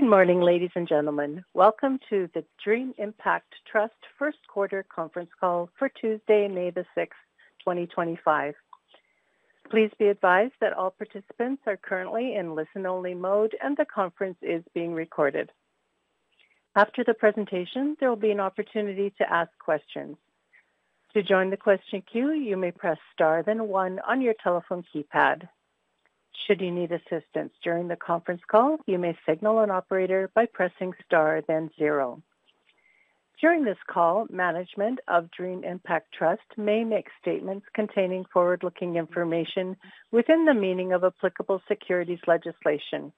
Good morning, ladies and gentlemen. Welcome to the Dream Impact Trust first-quarter conference call for Tuesday, May the 6th, 2025. Please be advised that all participants are currently in listen-only mode and the conference is being recorded. After the presentation, there will be an opportunity to ask questions. To join the question queue, you may press star then one on your telephone keypad. Should you need assistance during the conference call, you may signal an operator by pressing star then zero. During this call, management of Dream Impact Trust may make statements containing forward-looking information within the meaning of applicable securities legislation.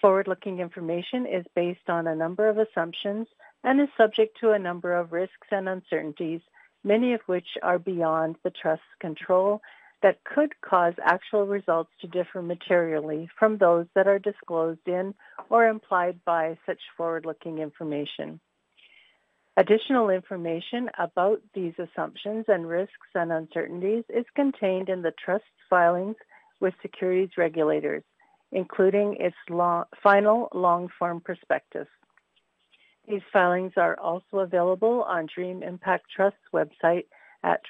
Forward-looking information is based on a number of assumptions and is subject to a number of risks and uncertainties, many of which are beyond the trust's control that could cause actual results to differ materially from those that are disclosed in or implied by such forward-looking information. Additional information about these assumptions and risks and uncertainties is contained in the trust's filings with securities regulators, including its final long-form prospectus. These filings are also available on Dream Impact Trust's website at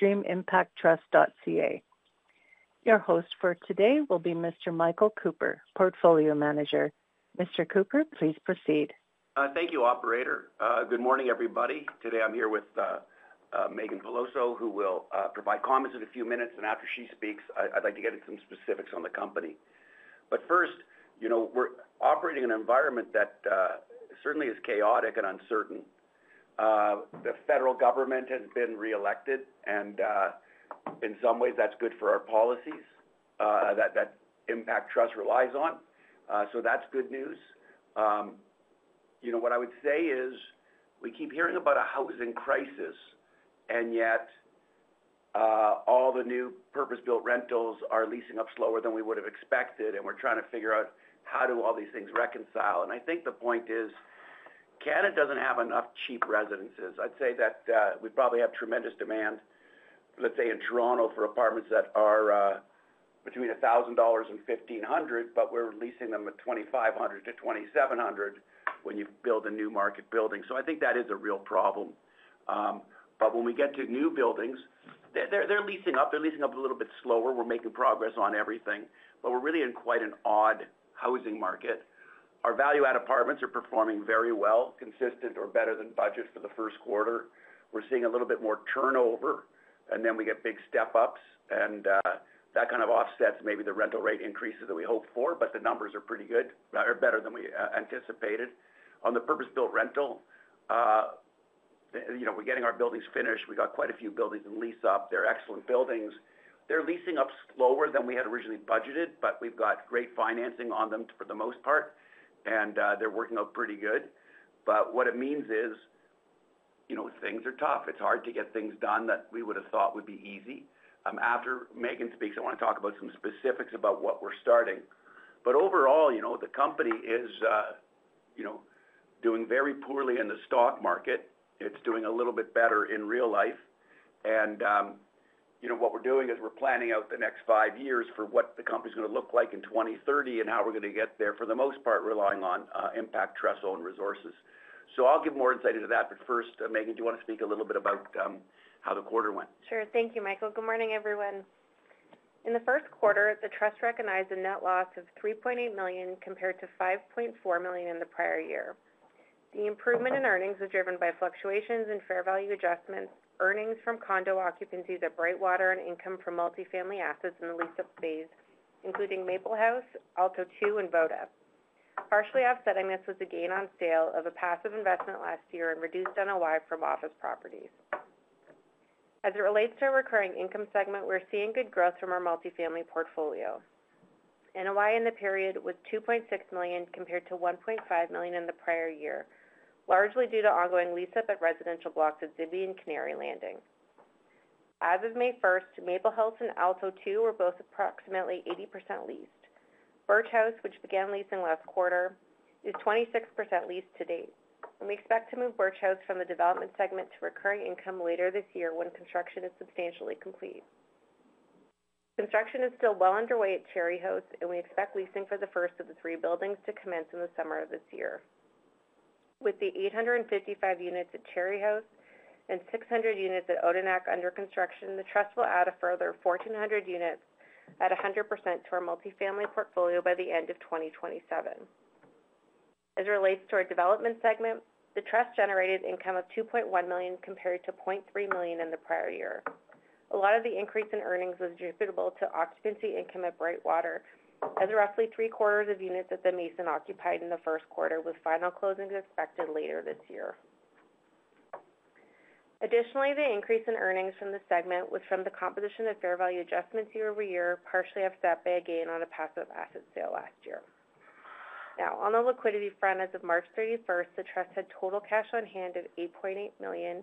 www.dreamimpacttrust.ca. Your host for today will be Mr. Michael Cooper, Portfolio Manager. Mr. Cooper, please proceed. Thank you, Operator. Good morning, everybody. Today I'm here with Meaghan Peloso, who will provide comments in a few minutes, and after she speaks, I'd like to get into some specifics on the company. First, we're operating in an environment that certainly is chaotic and uncertain. The federal government has been reelected, and in some ways, that's good for our policies that Dream Impact Trust relies on, so that's good news. What I would say is we keep hearing about a housing crisis, yet all the new purpose-built rentals are leasing up slower than we would have expected, and we're trying to figure out how do all these things reconcile. I think the point is Canada doesn't have enough cheap residences. I'd say that we probably have tremendous demand, let's say, in Toronto for apartments that are between 1,000 dollars and 1,500, but we're leasing them at 2,500-2,700 when you build a new market building. I think that is a real problem. When we get to new buildings, they're leasing up. They're leasing up a little bit slower. We're making progress on everything, but we're really in quite an odd housing market. Our value-add apartments are performing very well, consistent or better than budget for the first quarter. We're seeing a little bit more turnover, and then we get big step-ups, and that kind of offsets maybe the rental rate increases that we hoped for, but the numbers are pretty good, better than we anticipated. On the purpose-built rental, we're getting our buildings finished. We got quite a few buildings in lease-up. They're excellent buildings. They're leasing up slower than we had originally budgeted, but we've got great financing on them for the most part, and they're working up pretty good. What it means is things are tough. It's hard to get things done that we would have thought would be easy. After Meaghan speaks, I want to talk about some specifics about what we're starting. Overall, the company is doing very poorly in the stock market. It's doing a little bit better in real life. What we're doing is we're planning out the next five years for what the company's going to look like in 2030 and how we're going to get there for the most part, relying on Impact Trust's own resources. I'll give more insight into that, but first, Meaghan, do you want to speak a little bit about how the quarter went? Sure. Thank you, Michael. Good morning, everyone. In the first quarter, the trust recognized a net loss of 3.8 million compared to 5.4 million in the prior year. The improvement in earnings was driven by fluctuations in fair value adjustments, earnings from condo occupancies at Brightwater, and income from multifamily assets in the lease-up phase, including Maple House, Alto II, and Voda. Partially offsetting this was a gain on sale of a passive investment last year and reduced NOI from office properties. As it relates to our recurring income segment, we're seeing good growth from our multifamily portfolio. NOI in the period was 2.6 million compared to 1.5 million in the prior year, largely due to ongoing lease-up at residential blocks at Zivvy and Canary Landing. As of May 1st, Maple House and Alto II were both approximately 80% leased. Birch House, which began leasing last quarter, is 26% leased to date, and we expect to move Birch House from the development segment to recurring income later this year when construction is substantially complete. Construction is still well underway at Cherry House, and we expect leasing for the first of the three buildings to commence in the summer of this year. With the 855 units at Cherry House and 600 units at Odenak under construction, the trust will add a further 1,400 units at 100% to our multifamily portfolio by the end of 2027. As it relates to our development segment, the trust generated income of 2.1 million compared to 0.3 million in the prior year. A lot of the increase in earnings was attributable to occupancy income at Brightwater, as roughly three-quarters of units at the Mason occupied in the first quarter with final closings expected later this year. Additionally, the increase in earnings from the segment was from the composition of fair value adjustments year over year, partially offset by a gain on a passive asset sale last year. Now, on the liquidity front, as of March 31st, the trust had total cash on hand of 8.8 million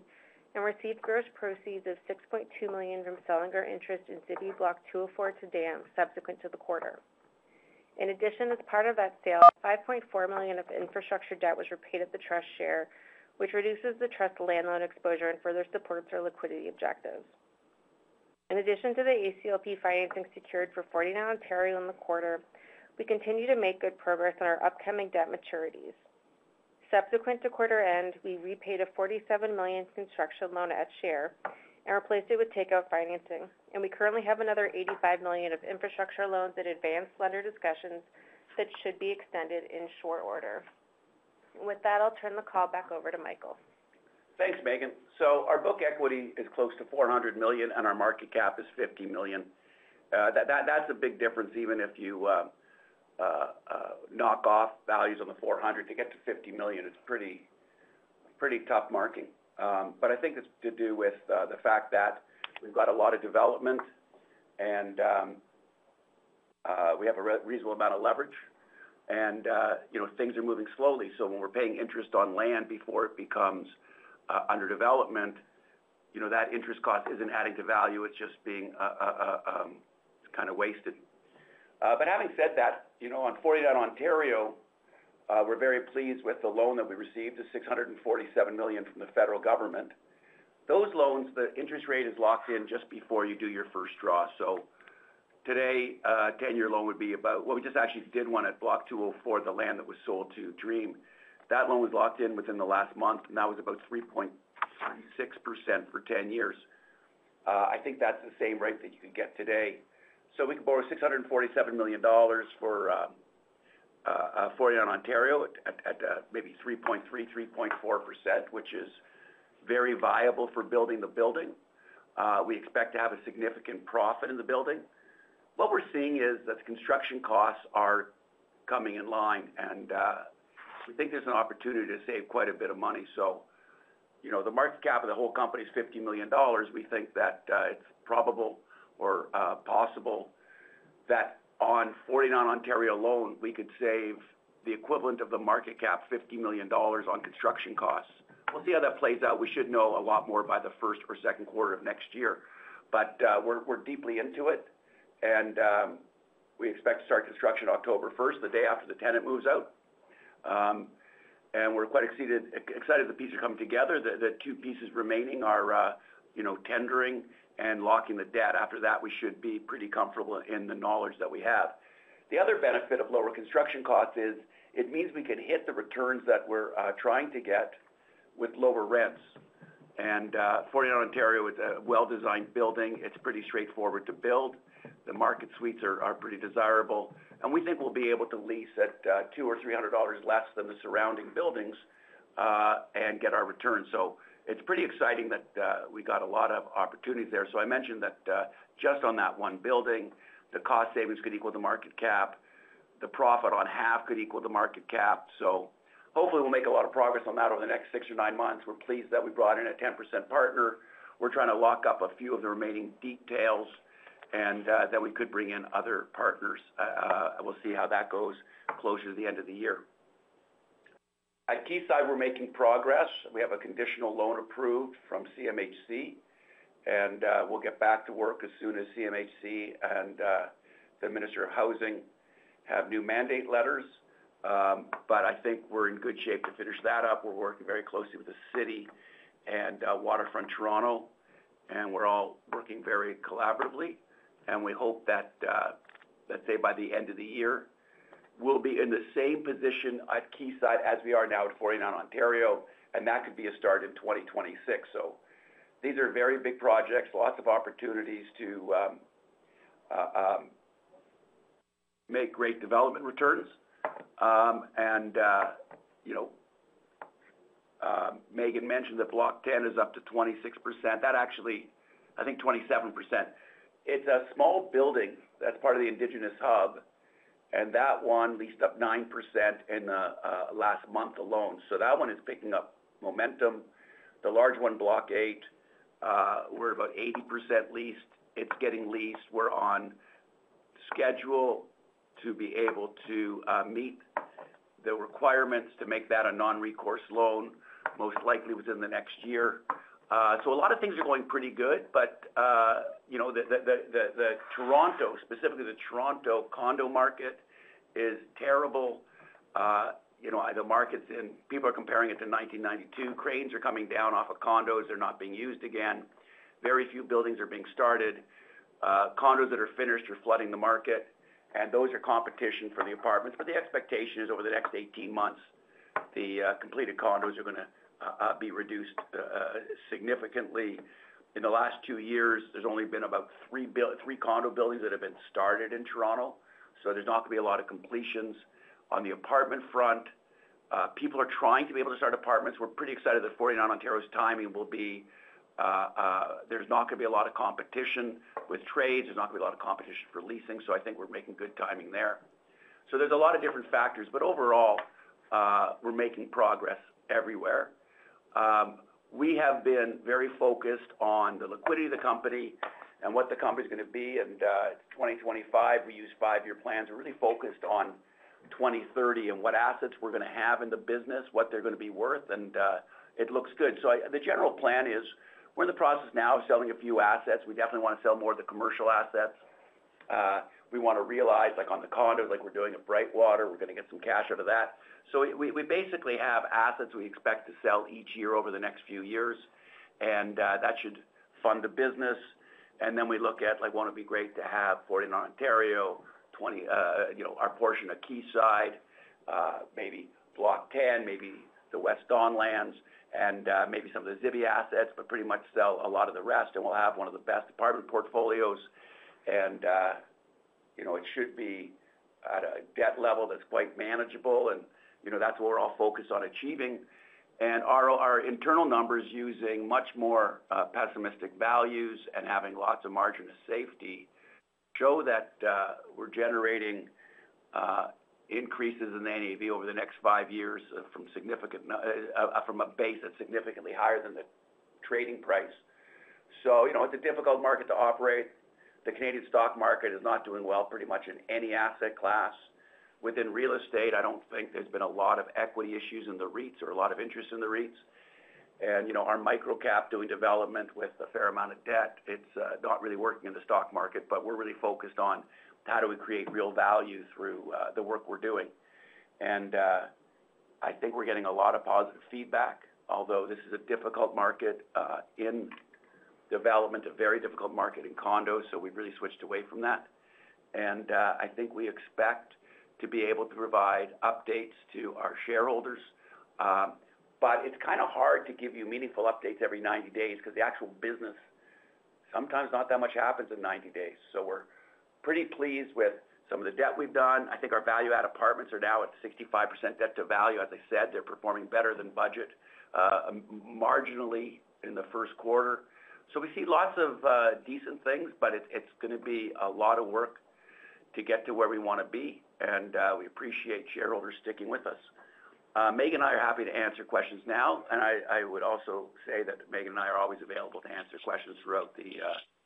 and received gross proceeds of 6.2 million from selling our interest in Zivvy Block 204 to DAM subsequent to the quarter. In addition, as part of that sale, 5.4 million of infrastructure debt was repaid at the trust share, which reduces the trust's landlord exposure and further supports our liquidity objectives. In addition to the ACLP financing secured for 49 Ontario in the quarter, we continue to make good progress on our upcoming debt maturities. Subsequent to quarter end, we repaid a 47 million construction loan at share and replaced it with takeout financing, and we currently have another 85 million of infrastructure loans in advanced lender discussions that should be extended in short order. With that, I'll turn the call back over to Michael. Thanks, Meaghan. Our book equity is close to 400 million, and our market cap is 50 million. That is a big difference. Even if you knock off values on the 400 million to get to 50 million, it is a pretty tough marking. I think it is to do with the fact that we have got a lot of development, and we have a reasonable amount of leverage, and things are moving slowly. When we are paying interest on land before it becomes under development, that interest cost is not adding to value. It is just being kind of wasted. Having said that, on 49 Ontario, we are very pleased with the loan that we received of 647 million from the federal government. Those loans, the interest rate is locked in just before you do your first draw. Today, a 10-year loan would be about, well, we just actually did one at Block 204, the land that was sold to Dream. That loan was locked in within the last month, and that was about 3.6% for 10 years. I think that's the same rate that you can get today. We could borrow 647 million dollars for 49 Ontario at maybe 3.3%-3.4%, which is very viable for building the building. We expect to have a significant profit in the building. What we're seeing is that the construction costs are coming in line, and we think there's an opportunity to save quite a bit of money. The market cap of the whole company is 50 million dollars. We think that it's probable or possible that on 49 Ontario alone, we could save the equivalent of the market cap, 50 million dollars on construction costs. We'll see how that plays out. We should know a lot more by the first or second quarter of next year, but we're deeply into it, and we expect to start construction October 1st, the day after the tenant moves out. We're quite excited that the pieces are coming together. The two pieces remaining are tendering and locking the debt. After that, we should be pretty comfortable in the knowledge that we have. The other benefit of lower construction costs is it means we can hit the returns that we're trying to get with lower rents. 49 Ontario is a well-designed building. It's pretty straightforward to build. The market suites are pretty desirable, and we think we'll be able to lease at 200 or 300 dollars less than the surrounding buildings and get our return. It's pretty exciting that we got a lot of opportunities there. I mentioned that just on that one building, the cost savings could equal the market cap. The profit on half could equal the market cap. Hopefully, we'll make a lot of progress on that over the next six or nine months. We're pleased that we brought in a 10% partner. We're trying to lock up a few of the remaining details and that we could bring in other partners. We'll see how that goes closer to the end of the year. At Keyside, we're making progress. We have a conditional loan approved from CMHC, and we'll get back to work as soon as CMHC and the Minister of Housing have new mandate letters. I think we're in good shape to finish that up. We're working very closely with the city and Waterfront Toronto, and we're all working very collaboratively. We hope that, let's say, by the end of the year, we'll be in the same position at Keyside as we are now at 49 Ontario, and that could be a start in 2026. These are very big projects, lots of opportunities to make great development returns. Meaghan mentioned that Block 10 is up to 26%. That actually, I think, 27%. It's a small building that's part of the Indigenous Hub, and that one leased up 9% in the last month alone. That one is picking up momentum. The large one, Block 8, we're about 80% leased. It's getting leased. We're on schedule to be able to meet the requirements to make that a non-recourse loan, most likely within the next year. A lot of things are going pretty good, but the Toronto, specifically the Toronto condo market, is terrible. The market's in, people are comparing it to 1992. Cranes are coming down off of condos. They're not being used again. Very few buildings are being started. Condos that are finished are flooding the market, and those are competition for the apartments. The expectation is over the next 18 months, the completed condos are going to be reduced significantly. In the last two years, there's only been about three condo buildings that have been started in Toronto. There's not going to be a lot of completions on the apartment front. People are trying to be able to start apartments. We're pretty excited that $49 Ontario's timing will be. There's not going to be a lot of competition with trades. There's not going to be a lot of competition for leasing. I think we're making good timing there. There are a lot of different factors, but overall, we're making progress everywhere. We have been very focused on the liquidity of the company and what the company's going to be. In 2025, we used five-year plans. We're really focused on 2030 and what assets we're going to have in the business, what they're going to be worth, and it looks good. The general plan is we're in the process now of selling a few assets. We definitely want to sell more of the commercial assets. We want to realize, like on the condos, like we're doing at Brightwater, we're going to get some cash out of that. We basically have assets we expect to sell each year over the next few years, and that should fund the business. We look at, like, would it not be great to have 49 Ontario, our portion of Keyside, maybe Block 10, maybe the West Don Lands, and maybe some of the Zivvy assets, but pretty much sell a lot of the rest, and we will have one of the best apartment portfolios. It should be at a debt level that is quite manageable, and that is what we are all focused on achieving. Our internal numbers using much more pessimistic values and having lots of margin of safety show that we are generating increases in the NAV over the next five years from a base that is significantly higher than the trading price. It is a difficult market to operate. The Canadian stock market is not doing well pretty much in any asset class. Within real estate, I don't think there's been a lot of equity issues in the REITs or a lot of interest in the REITs. Our micro cap doing development with a fair amount of debt, it's not really working in the stock market, but we're really focused on how do we create real value through the work we're doing. I think we're getting a lot of positive feedback, although this is a difficult market in development, a very difficult market in condos, so we've really switched away from that. I think we expect to be able to provide updates to our shareholders, but it's kind of hard to give you meaningful updates every 90 days because the actual business, sometimes not that much happens in 90 days. We're pretty pleased with some of the debt we've done. I think our value-add apartments are now at 65% debt to value. As I said, they're performing better than budget marginally in the first quarter. We see lots of decent things, but it's going to be a lot of work to get to where we want to be, and we appreciate shareholders sticking with us. Meaghan and I are happy to answer questions now, and I would also say that Meaghan and I are always available to answer questions throughout the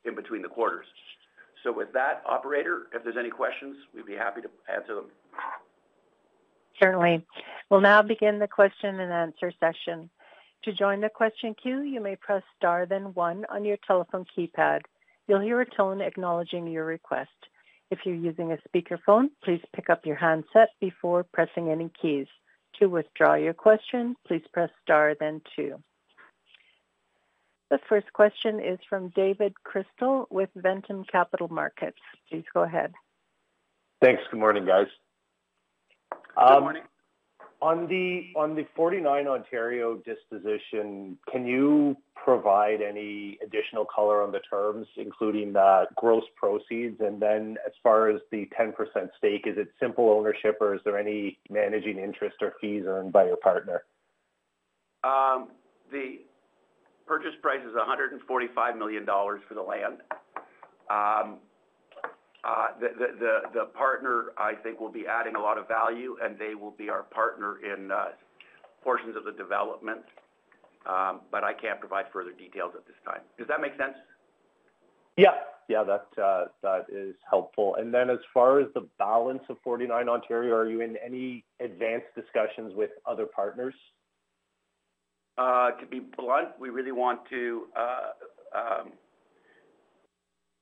in between the quarters. With that, operator, if there's any questions, we'd be happy to answer them. Certainly. We'll now begin the question and answer session. To join the question queue, you may press star then one on your telephone keypad. You'll hear a tone acknowledging your request. If you're using a speakerphone, please pick up your handset before pressing any keys. To withdraw your question, please press star then two. The first question is from David Crystal with Ventum Financial. Please go ahead. Thanks. Good morning, guys. Good morning. On the $49 Ontario disposition, can you provide any additional color on the terms, including gross proceeds? As far as the 10% stake, is it simple ownership or is there any managing interest or fees earned by your partner? The purchase price is 145 million dollars for the land. The partner, I think, will be adding a lot of value, and they will be our partner in portions of the development, but I can't provide further details at this time. Does that make sense? Yeah. Yeah, that is helpful. As far as the balance of 49 Ontario, are you in any advanced discussions with other partners? To be blunt, we really want to,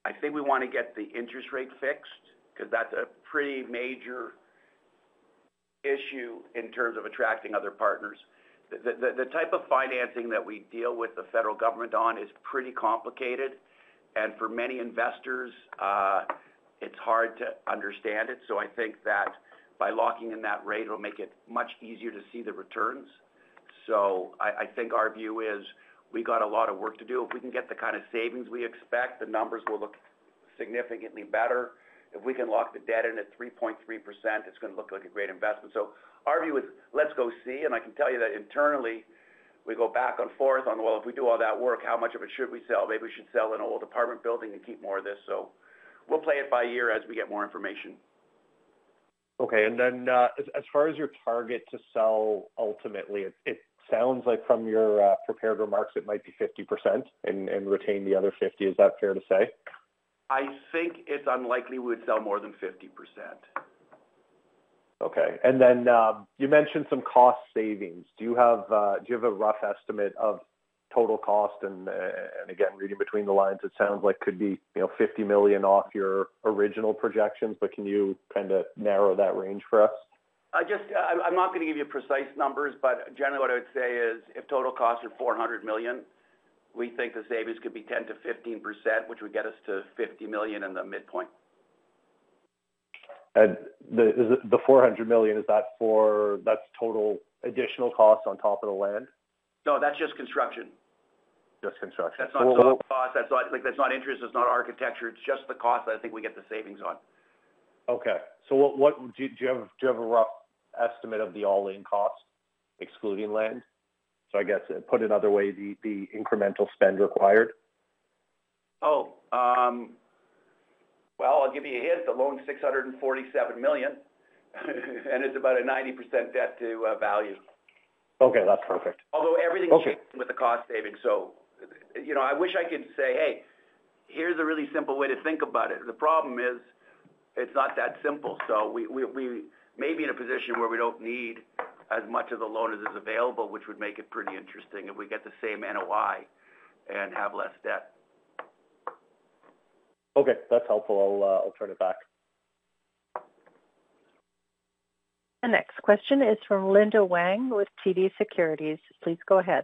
I think we want to get the interest rate fixed because that's a pretty major issue in terms of attracting other partners. The type of financing that we deal with the federal government on is pretty complicated, and for many investors, it's hard to understand it. I think that by locking in that rate, it'll make it much easier to see the returns. I think our view is we've got a lot of work to do. If we can get the kind of savings we expect, the numbers will look significantly better. If we can lock the debt in at 3.3%, it's going to look like a great investment. Our view is let's go see, and I can tell you that internally, we go back and forth on, well, if we do all that work, how much of it should we sell? Maybe we should sell an old apartment building and keep more of this. We'll play it by ear as we get more information. Okay. As far as your target to sell ultimately, it sounds like from your prepared remarks, it might be 50% and retain the other 50%. Is that fair to say? I think it's unlikely we would sell more than 50%. Okay. You mentioned some cost savings. Do you have a rough estimate of total cost? Again, reading between the lines, it sounds like it could be 50 million off your original projections, but can you kind of narrow that range for us? I'm not going to give you precise numbers, but generally, what I would say is if total costs are 400 million, we think the savings could be 10%-15%, which would get us to 50 million in the midpoint. The 400 million, is that total additional costs on top of the land? No, that's just construction. Just construction. That's not total cost. That's not interest. It's not architecture. It's just the cost that I think we get the savings on. Okay. Do you have a rough estimate of the all-in cost, excluding land? I guess, put in other ways, the incremental spend required? Oh, I'll give you a hint. The loan's 647 million, and it's about a 90% debt to value. Okay. That's perfect. Although everything's with the cost savings. I wish I could say, "Hey, here's a really simple way to think about it." The problem is it's not that simple. We may be in a position where we do not need as much of the loan as is available, which would make it pretty interesting if we get the same NOI and have less debt. Okay. That's helpful. I'll turn it back. The next question is from Linda Fanning with TD Securities. Please go ahead.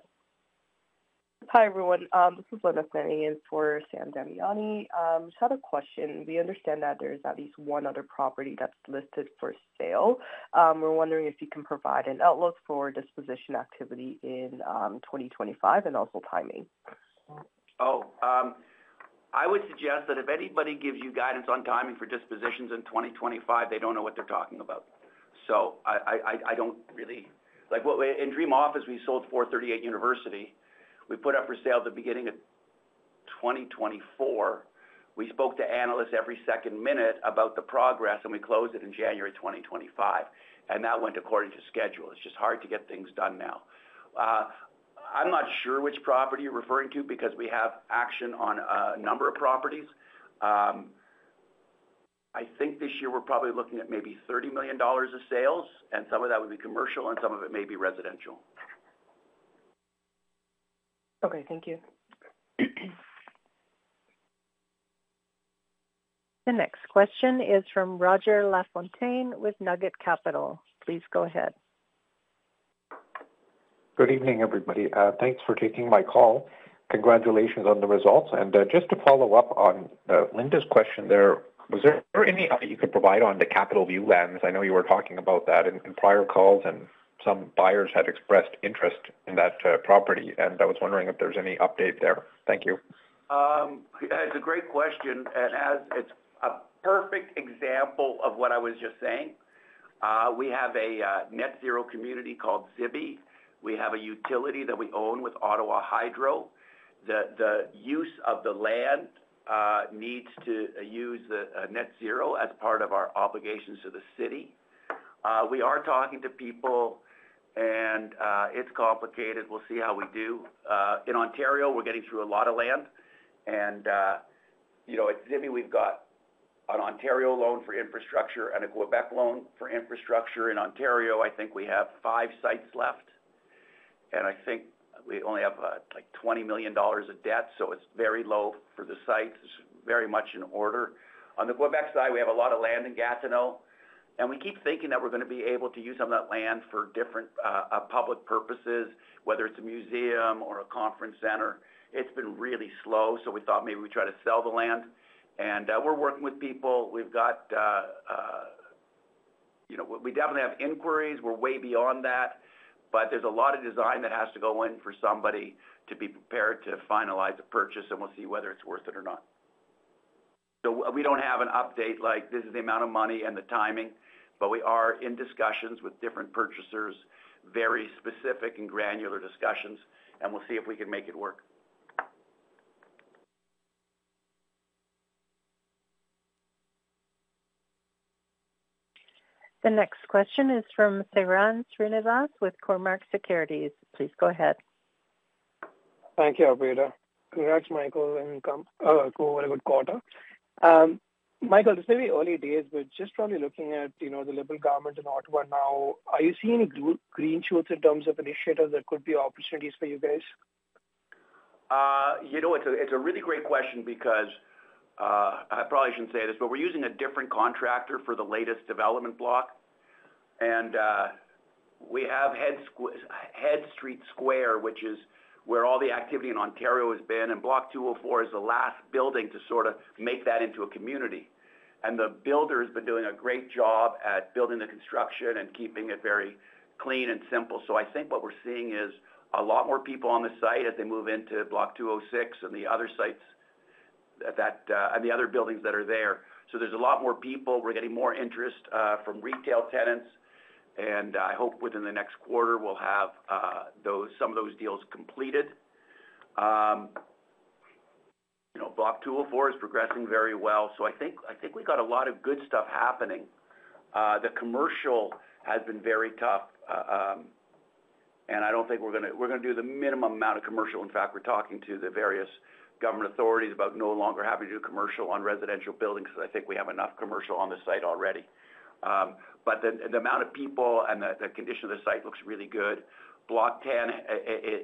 Hi everyone. This is Linda Fanning in for Sam Damiani. She had a question. We understand that there's at least one other property that's listed for sale. We're wondering if you can provide an outlook for disposition activity in 2025 and also timing. Oh, I would suggest that if anybody gives you guidance on timing for dispositions in 2025, they do not know what they are talking about. I do not really in Dream Office, we sold 438 University. We put up for sale at the beginning of 2024. We spoke to analysts every second minute about the progress, and we closed it in January 2025, and that went according to schedule. It is just hard to get things done now. I am not sure which property you are referring to because we have action on a number of properties. I think this year we are probably looking at maybe 30 million dollars of sales, and some of that would be commercial, and some of it may be residential. Okay. Thank you. The next question is from Roger LaFontaine with Nugget Capital. Please go ahead. Good evening, everybody. Thanks for taking my call. Congratulations on the results. Just to follow up on Linda's question there, was there any you could provide on the Capital View lens? I know you were talking about that in prior calls, and some buyers had expressed interest in that property, and I was wondering if there's any update there. Thank you. It's a great question. As it's a perfect example of what I was just saying, we have a net-zero community called Zivvy. We have a utility that we own with Ottawa Hydro. The use of the land needs to use net-zero as part of our obligations to the city. We are talking to people, and it's complicated. We'll see how we do. In Ontario, we're getting through a lot of land. At Zivvy, we've got an Ontario loan for infrastructure and a Quebec loan for infrastructure. In Ontario, I think we have five sites left, and I think we only have like 20 million dollars of debt, so it's very low for the sites. It's very much in order. On the Quebec side, we have a lot of land in Gatineau, and we keep thinking that we're going to be able to use some of that land for different public purposes, whether it's a museum or a conference center. It has been really slow, so we thought maybe we'd try to sell the land. We are working with people. We definitely have inquiries. We're way beyond that, but there's a lot of design that has to go in for somebody to be prepared to finalize a purchase, and we'll see whether it's worth it or not. We do not have an update like this is the amount of money and the timing, but we are in discussions with different purchasers, very specific and granular discussions, and we'll see if we can make it work. The next question is from Sairam Srinivas with Cormark Securities. Please go ahead. Thank you, Arvinda. Congrats, Michael, and good quarter. Michael, it's maybe early days, but just probably looking at the Liberal government in Ottawa now, are you seeing any green shoots in terms of initiatives that could be opportunities for you guys? You know, it's a really great question because I probably shouldn't say this, but we're using a different contractor for the latest development block, and we have Head Street Square, which is where all the activity in Ontario has been, and Block 204 is the last building to sort of make that into a community. The builder has been doing a great job at building the construction and keeping it very clean and simple. I think what we're seeing is a lot more people on the site as they move into Block 206 and the other sites and the other buildings that are there. There's a lot more people. We're getting more interest from retail tenants, and I hope within the next quarter we'll have some of those deals completed. Block 204 is progressing very well. I think we've got a lot of good stuff happening. The commercial has been very tough, and I don't think we're going to do the minimum amount of commercial. In fact, we're talking to the various government authorities about no longer having to do commercial on residential buildings because I think we have enough commercial on the site already. The amount of people and the condition of the site looks really good. Block 10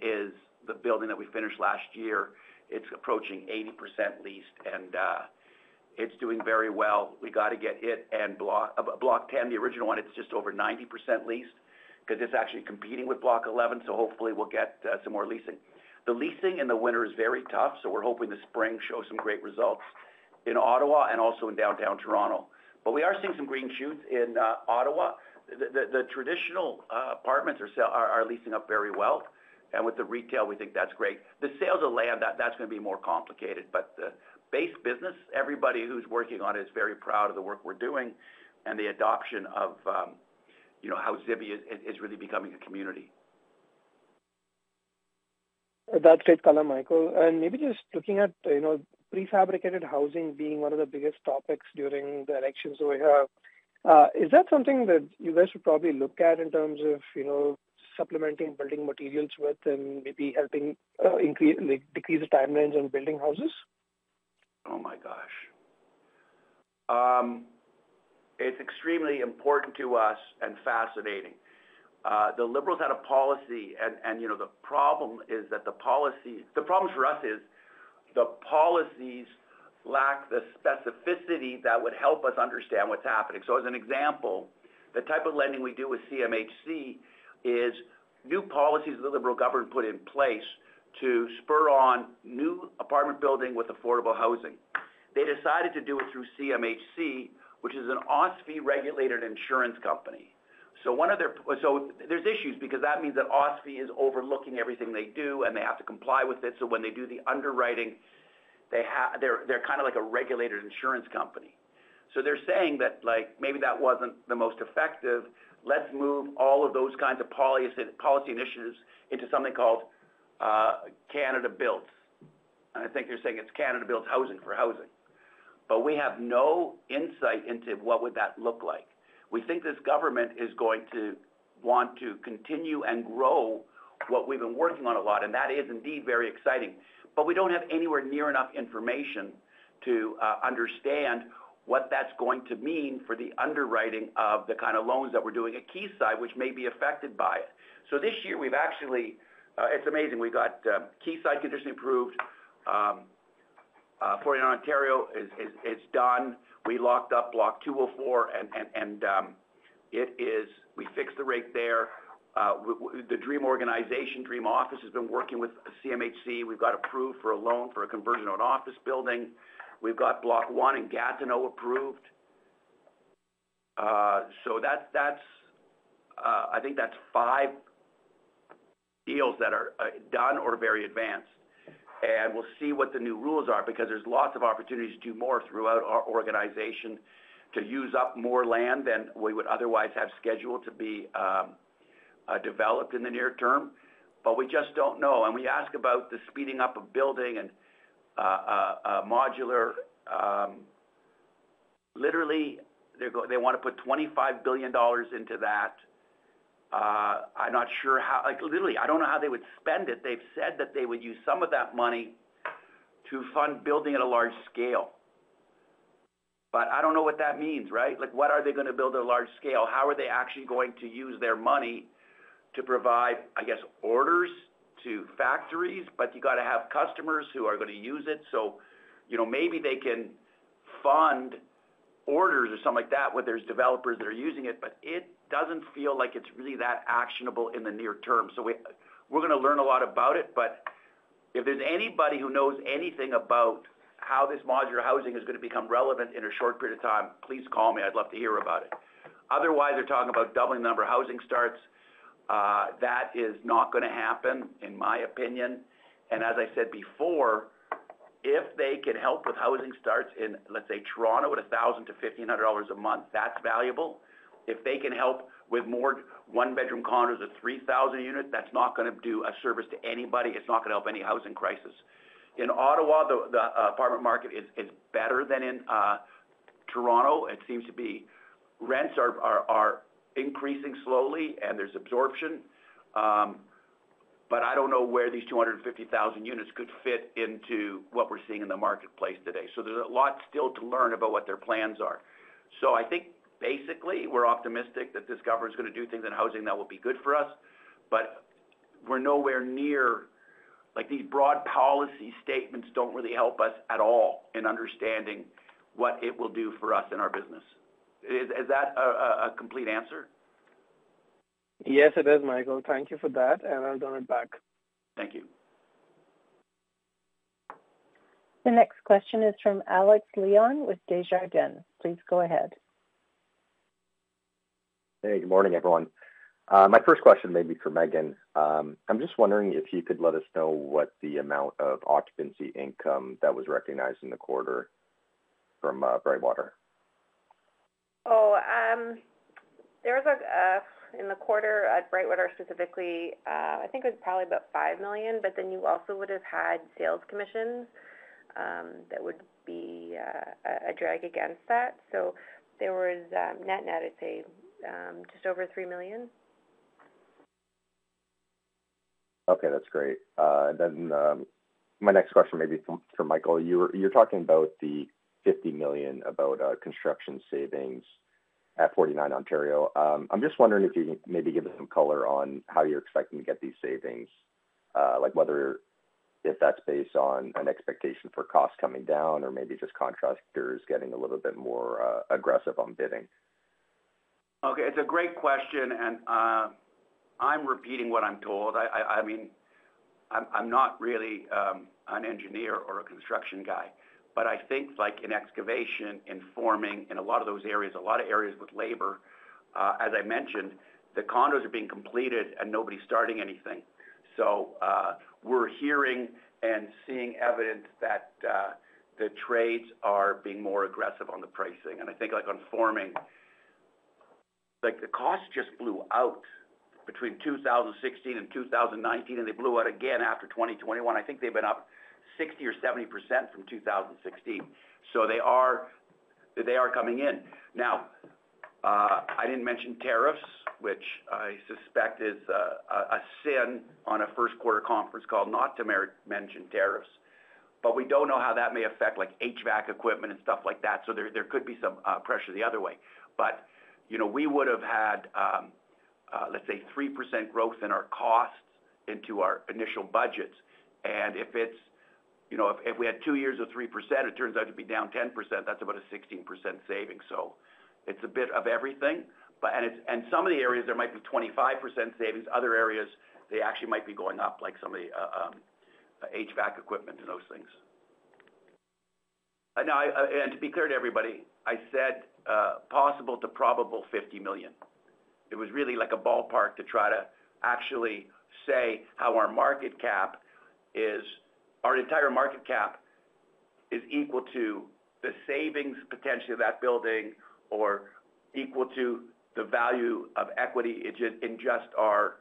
is the building that we finished last year. It's approaching 80% leased, and it's doing very well. We got to get it. Block 10, the original one, it's just over 90% leased because it's actually competing with Block 11, so hopefully we'll get some more leasing. The leasing in the winter is very tough, so we're hoping the spring shows some great results in Ottawa and also in downtown Toronto. We are seeing some green shoots in Ottawa. The traditional apartments are leasing up very well, and with the retail, we think that's great. The sales of land, that's going to be more complicated, but the base business, everybody who's working on it is very proud of the work we're doing and the adoption of how Zivvy is really becoming a community. That's great color, Michael. Maybe just looking at prefabricated housing being one of the biggest topics during the elections that we have, is that something that you guys would probably look at in terms of supplementing building materials with and maybe helping decrease the timelines on building houses? Oh my gosh. It's extremely important to us and fascinating. The Liberals had a policy, and the problem is that the policy, the problem for us is the policies lack the specificity that would help us understand what's happening. As an example, the type of lending we do with CMHC is new policies the Liberal government put in place to spur on new apartment building with affordable housing. They decided to do it through CMHC, which is an OSFI regulated insurance company. There are issues because that means that OSFI is overlooking everything they do, and they have to comply with it. When they do the underwriting, they're kind of like a regulated insurance company. They're saying that maybe that wasn't the most effective. Let's move all of those kinds of policy initiatives into something called Canada Builds. I think they're saying it's Canada Builds Housing for housing, but we have no insight into what would that look like. We think this government is going to want to continue and grow what we've been working on a lot, and that is indeed very exciting. We don't have anywhere near enough information to understand what that's going to mean for the underwriting of the kind of loans that we're doing at Keyside, which may be affected by it. This year, we've actually, it's amazing. We got Keyside condition improved. 49 Ontario is done. We locked up Block 204, and we fixed the rate there. The Dream Organization, Dream Office has been working with Canada Mortgage and Housing Corporation. We've got approved for a loan for a conversion of an office building. We've got Block 1 in Gatineau approved. I think that's five deals that are done or very advanced. We will see what the new rules are because there are lots of opportunities to do more throughout our organization to use up more land than we would otherwise have scheduled to be developed in the near term. We just do not know. You ask about the speeding up of building and modular. Literally, they want to put 25 billion dollars into that. I am not sure how literally. I do not know how they would spend it. They have said that they would use some of that money to fund building at a large scale. I do not know what that means, right? What are they going to build at a large scale? How are they actually going to use their money to provide, I guess, orders to factories? You have to have customers who are going to use it. Maybe they can fund orders or something like that where there's developers that are using it, but it doesn't feel like it's really that actionable in the near term. We're going to learn a lot about it, but if there's anybody who knows anything about how this modular housing is going to become relevant in a short period of time, please call me. I'd love to hear about it. Otherwise, they're talking about doubling the number of housing starts. That is not going to happen, in my opinion. As I said before, if they can help with housing starts in, let's say, Toronto at 1,000-1,500 dollars a month, that's valuable. If they can help with more one-bedroom condos at 3,000 units, that's not going to do a service to anybody. It's not going to help any housing crisis. In Ottawa, the apartment market is better than in Toronto. It seems to be rents are increasing slowly, and there's absorption. I don't know where these 250,000 units could fit into what we're seeing in the marketplace today. There is a lot still to learn about what their plans are. I think, basically, we're optimistic that this government is going to do things in housing that will be good for us, but we're nowhere near these broad policy statements. They do not really help us at all in understanding what it will do for us and our business. Is that a complete answer? Yes, it is, Michael. Thank you for that, and I'll turn it back. Thank you. The next question is from Alex Leon with Desjardins. Please go ahead. Hey, good morning, everyone. My first question may be for Meaghan. I'm just wondering if you could let us know what the amount of occupancy income that was recognized in the quarter from Brightwater. Oh, there was in the quarter at Brightwater specifically, I think it was probably about 5 million, but then you also would have had sales commissions that would be a drag against that. So there was net-net, I'd say, just over 3 million. Okay, that's great. My next question may be for Michael. You're talking about the 50 million about construction savings at 49 Ontario. I'm just wondering if you can maybe give us some color on how you're expecting to get these savings, whether if that's based on an expectation for costs coming down or maybe just contractors getting a little bit more aggressive on bidding. Okay, it's a great question, and I'm repeating what I'm told. I mean, I'm not really an engineer or a construction guy, but I think in excavation, in forming, in a lot of those areas, a lot of areas with labor, as I mentioned, the condos are being completed and nobody's starting anything. We are hearing and seeing evidence that the trades are being more aggressive on the pricing. I think on forming, the cost just blew out between 2016 and 2019, and they blew out again after 2021. I think they've been up 60% or 70% from 2016. They are coming in. Now, I didn't mention tariffs, which I suspect is a sin on a first quarter conference call not to mention tariffs, but we don't know how that may affect HVAC equipment and stuff like that. There could be some pressure the other way. We would have had, let's say, 3% growth in our costs into our initial budgets. If we had two years of 3%, it turns out to be down 10%. That is about a 16% saving. It is a bit of everything. In some of the areas, there might be 25% savings. Other areas, they actually might be going up, like some of the HVAC equipment and those things. To be clear to everybody, I said possible to probable 50 million. It was really like a ballpark to try to actually say how our market cap is, our entire market cap is equal to the savings potentially of that building or equal to the value of equity in just our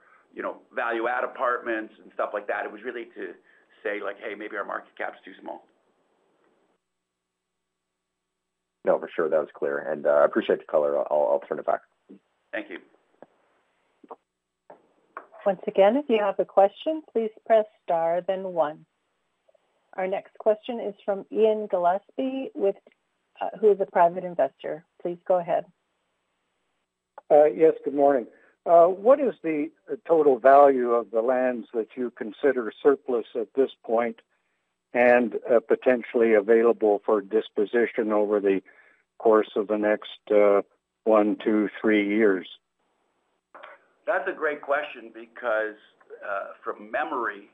value-add apartments and stuff like that. It was really to say, "Hey, maybe our market cap is too small. No, for sure. That was clear. I appreciate the color. I'll turn it back. Thank you. Once again, if you have a question, please press star, then one. Our next question is from Ian Gillespie, who is a private investor. Please go ahead. Yes, good morning. What is the total value of the lands that you consider surplus at this point and potentially available for disposition over the course of the next one, two, three years? That's a great question because from memory,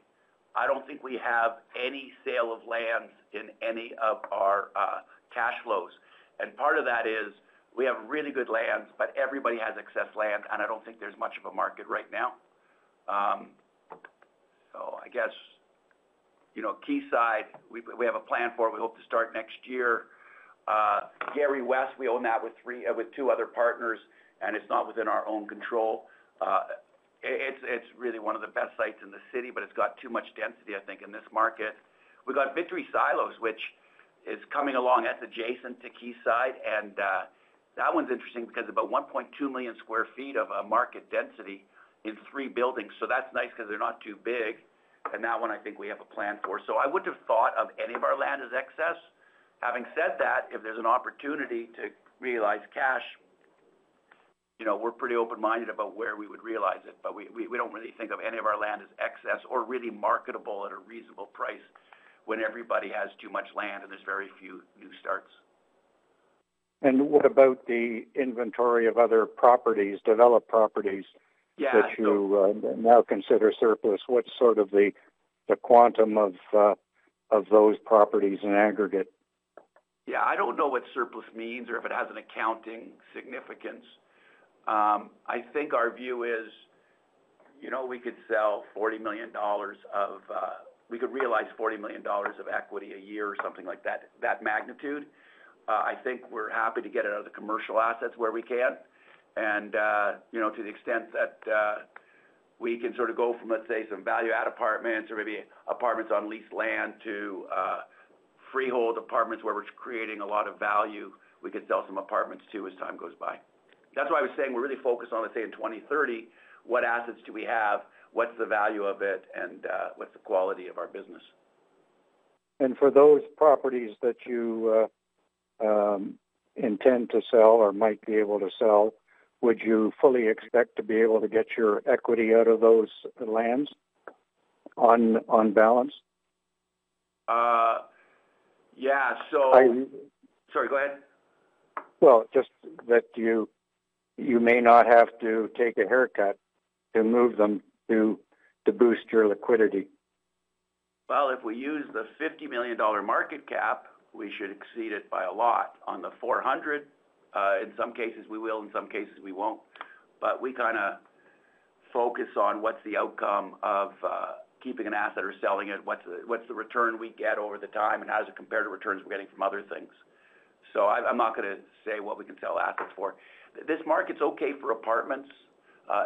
I don't think we have any sale of lands in any of our cash flows. Part of that is we have really good lands, but everybody has excess land, and I don't think there's much of a market right now. I guess Keyside, we have a plan for it. We hope to start next year. Gary West, we own that with two other partners, and it's not within our own control. It's really one of the best sites in the city, but it's got too much density, I think, in this market. We got Victory Silos, which is coming along. That's adjacent to Keyside. That one's interesting because about 1.2 million sq ft of market density in three buildings. That's nice because they're not too big. That one, I think we have a plan for. I would not have thought of any of our land as excess. Having said that, if there is an opportunity to realize cash, we are pretty open-minded about where we would realize it, but we do not really think of any of our land as excess or really marketable at a reasonable price when everybody has too much land and there are very few new starts. What about the inventory of other properties, developed properties that you now consider surplus? What's sort of the quantum of those properties in aggregate? Yeah, I do not know what surplus means or if it has an accounting significance. I think our view is we could sell 40 million dollars of, we could realize 40 million dollars of equity a year or something like that, that magnitude. I think we are happy to get it out of the commercial assets where we can. To the extent that we can sort of go from, let's say, some value-add apartments or maybe apartments on leased land to freehold apartments where we are creating a lot of value, we could sell some apartments too as time goes by. That is why I was saying we are really focused on, let's say, in 2030, what assets do we have, what is the value of it, and what is the quality of our business. For those properties that you intend to sell or might be able to sell, would you fully expect to be able to get your equity out of those lands on balance? Yeah, so. Sorry, go ahead. Just that you may not have to take a haircut to move them to boost your liquidity. If we use the 50 million dollar market gap, we should exceed it by a lot on the 400. In some cases, we will. In some cases, we will not. We kind of focus on what is the outcome of keeping an asset or selling it, what is the return we get over the time, and how does it compare to returns we are getting from other things. I am not going to say what we can sell assets for. This market is okay for apartments.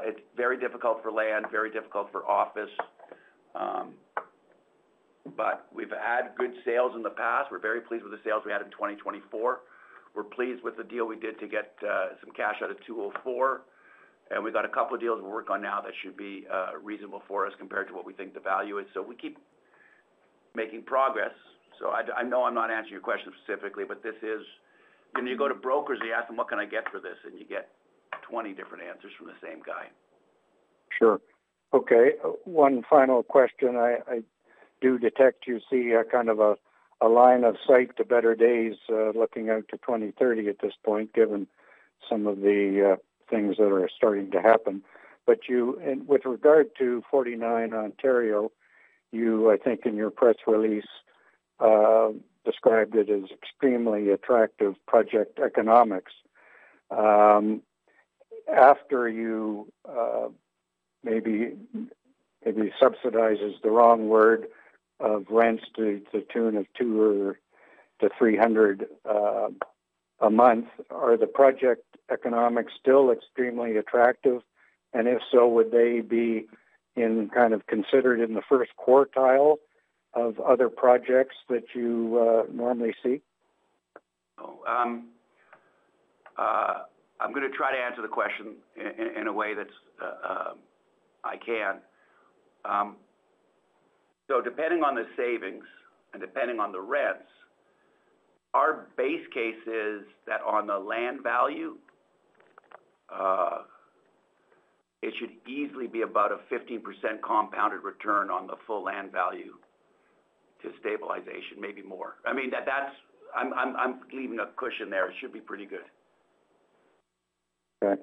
It is very difficult for land, very difficult for office. We have had good sales in the past. We are very pleased with the sales we had in 2024. We are pleased with the deal we did to get some cash out of 204. We have a couple of deals we are working on now that should be reasonable for us compared to what we think the value is. We keep making progress. I know I'm not answering your question specifically, but this is when you go to brokers, you ask them, "What can I get for this?" and you get 20 different answers from the same guy. Sure. Okay. One final question. I do detect you see kind of a line of sight to better days looking out to 2030 at this point, given some of the things that are starting to happen. With regard to 49 Ontario, you, I think in your press release, described it as extremely attractive project economics. After you, maybe subsidize is the wrong word, of rents to the tune of 200-300 a month, are the project economics still extremely attractive? If so, would they be kind of considered in the first quartile of other projects that you normally see? I'm going to try to answer the question in a way that I can. Depending on the savings and depending on the rents, our base case is that on the land value, it should easily be about a 15% compounded return on the full land value to stabilization, maybe more. I mean, I'm leaving a cushion there. It should be pretty good. Okay.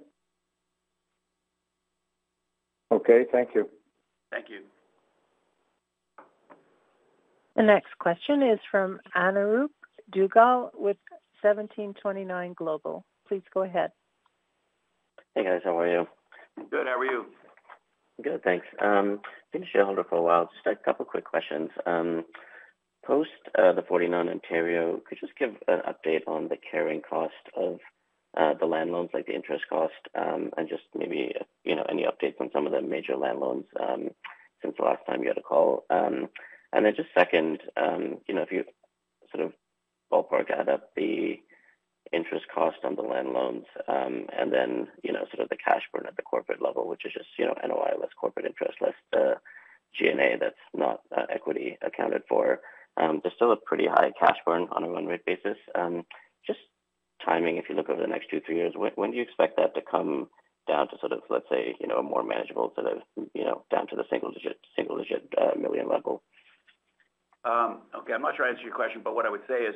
Okay, thank you. Thank you. The next question is from Anuroop Duggal with 1729 Global. Please go ahead. Hey, guys. How are you? Good. How are you? Good, thanks. I've been a shareholder for a while. Just a couple of quick questions. Post the 49 Ontario, could you just give an update on the carrying cost of the land loans, like the interest cost, and just maybe any updates on some of the major land loans since the last time you had a call? Then just second, if you sort of ballpark add up the interest cost on the land loans and then sort of the cash burn at the corporate level, which is just NOI less corporate interest less G&A that's not equity accounted for, there's still a pretty high cash burn on a run rate basis. Just timing, if you look over the next two, three years, when do you expect that to come down to sort of, let's say, a more manageable sort of down to the single-digit million level? Okay, I'm not sure I answered your question, but what I would say is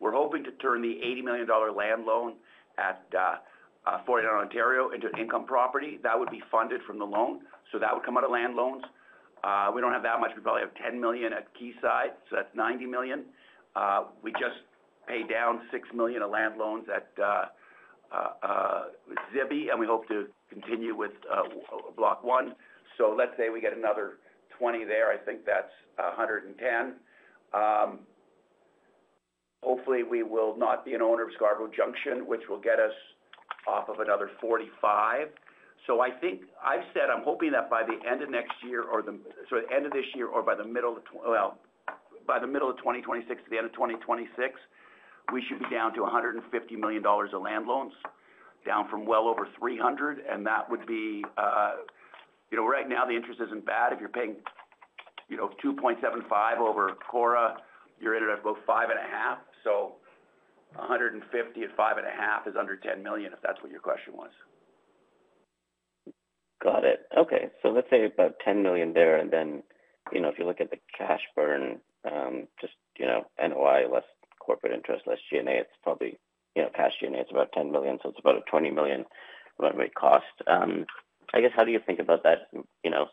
we're hoping to turn the 80 million dollar land loan at 49 Ontario into an income property that would be funded from the loan. That would come out of land loans. We don't have that much. We probably have 10 million at Keyside. That is 90 million. We just paid down 6 million of land loans at Zivvy, and we hope to continue with block one. Let's say we get another 20 million there. I think that is 110 million. Hopefully, we will not be an owner of Scarborough Junction, which will get us off of another 45 million. I've said I'm hoping that by the end of next year or the end of this year or by the middle of 2026, the end of 2026, we should be down to 150 million dollars of land loans, down from well over 300 million. That would be right now, the interest isn't bad. If you're paying 2.75% over CORA, you're at about 5.5%. 150 million at 5.5% is under 10 million, if that's what your question was. Got it. Okay. So let's say about 10 million there. And then if you look at the cash burn, just NOI less corporate interest less G&A, it's probably cash G&A, it's about 10 million. So it's about a 20 million run rate cost. I guess, how do you think about that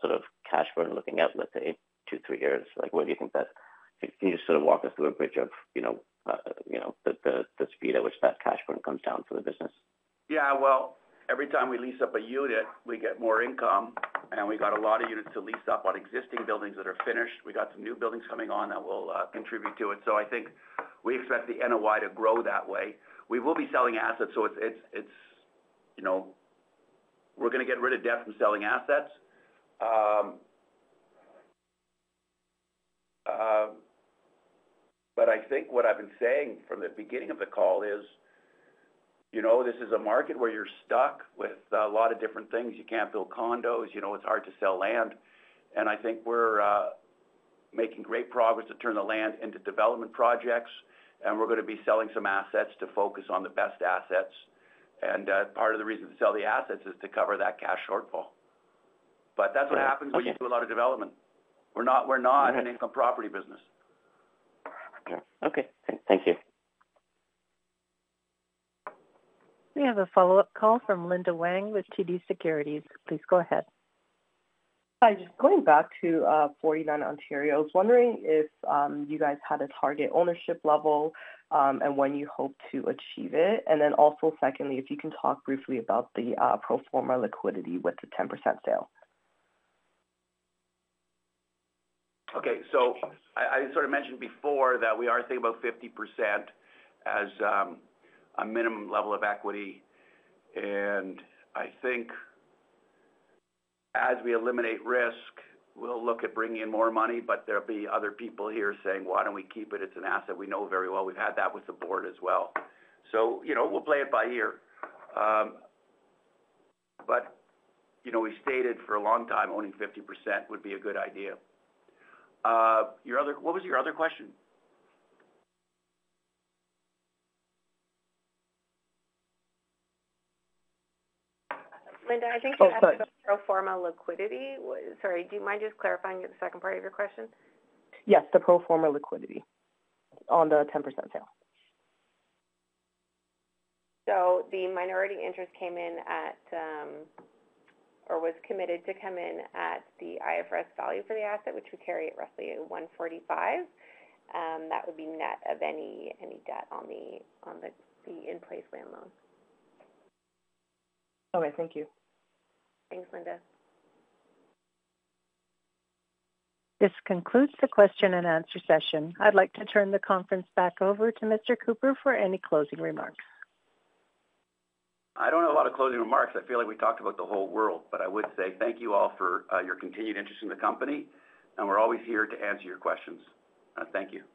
sort of cash burn looking out, let's say, two, three years? Where do you think that can you just sort of walk us through a bridge of the speed at which that cash burn comes down to the business? Yeah, every time we lease up a unit, we get more income, and we got a lot of units to lease up on existing buildings that are finished. We got some new buildings coming on that will contribute to it. I think we expect the NOI to grow that way. We will be selling assets. We are going to get rid of debt from selling assets. I think what I have been saying from the beginning of the call is this is a market where you are stuck with a lot of different things. You cannot build condos. It is hard to sell land. I think we are making great progress to turn the land into development projects. We are going to be selling some assets to focus on the best assets. Part of the reason to sell the assets is to cover that cash shortfall. That's what happens when you do a lot of development. We're not an income property business. Okay. Thank you. We have a follow-up call from Linda Fanning with TD Securities. Please go ahead. Hi. Just going back to 49 Ontario, I was wondering if you guys had a target ownership level and when you hope to achieve it. Also, if you can talk briefly about the pro forma liquidity with the 10% sale. Okay. I sort of mentioned before that we are saying about 50% as a minimum level of equity. I think as we eliminate risk, we'll look at bringing in more money. There'll be other people here saying, "Why don't we keep it? It's an asset we know very well." We've had that with the board as well. We'll play it by ear. We stated for a long time owning 50% would be a good idea. What was your other question? Linda, I think you asked about the pro forma liquidity. Sorry, do you mind just clarifying the second part of your question? Yes, the pro forma liquidity on the 10% sale. The minority interest came in at or was committed to come in at the IFRS value for the asset, which we carry at roughly 145 million. That would be net of any debt on the in-place land loan. Okay. Thank you. Thanks, Linda. This concludes the question and answer session. I'd like to turn the conference back over to Mr. Cooper for any closing remarks. I do not have a lot of closing remarks. I feel like we talked about the whole world. I would say thank you all for your continued interest in the company. We are always here to answer your questions. Thank you.